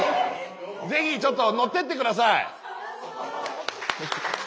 ぜひちょっと乗ってって下さい。